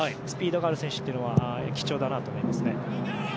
スピードがある選手というのは貴重だなと思いますね。